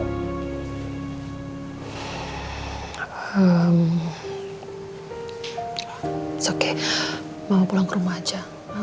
tidak apa apa mama pulang ke rumah saja